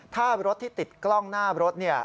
ถ้ารถที่ติดกล้องหน้ารถ